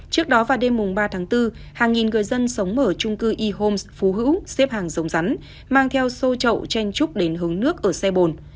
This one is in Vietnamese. trước đó vào đêm ba tháng bốn hàng nghìn người dân sống ở trung cư y homes phú hữu xếp hàng giống rắn mang theo sô trậu tranh trúc đến hướng nước ở xe bồn